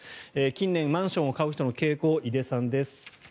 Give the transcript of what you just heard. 近年、マンションを買う人の傾向井出さんです。